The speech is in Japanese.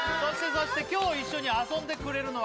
そして今日一緒に遊んでくれるのは